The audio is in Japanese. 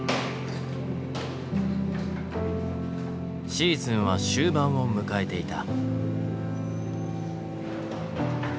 シーズンは終盤を迎えていた。